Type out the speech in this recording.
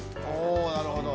おなるほど。